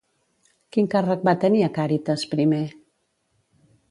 Quin càrrec va tenir a Càritas primer?